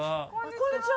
こんにちは。